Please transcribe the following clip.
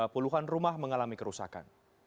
puluhan rumah mengalami kerusakan